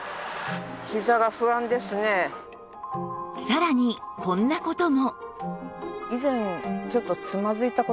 さらにこんな事も